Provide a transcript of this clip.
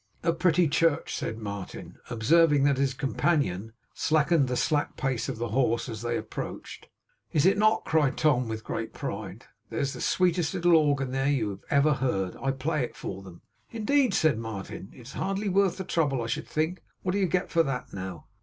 'A pretty church!' said Martin, observing that his companion slackened the slack pace of the horse, as they approached. 'Is it not?' cried Tom, with great pride. 'There's the sweetest little organ there you ever heard. I play it for them.' 'Indeed?' said Martin. 'It is hardly worth the trouble, I should think. What do you get for that, now?